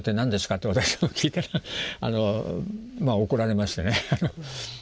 って私も聞いたらまあ怒られましてね。